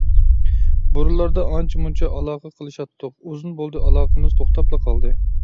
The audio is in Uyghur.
بۇرۇنلاردا ئانچە-مۇنچە ئالاقە قىلىشاتتۇق، ئۇزۇن بولدى ئالاقىمىز توختاپلا قالدى.